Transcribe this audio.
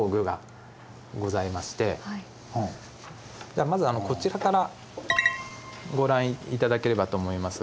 じゃあまずこちらからご覧頂ければと思いますが。